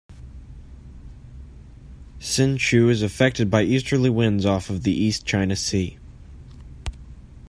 Hsinchu is affected by easterly winds off of the East China Sea.